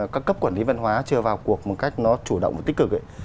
các cấp quản lý văn hóa chưa vào cuộc một cách nó chủ động và tích cực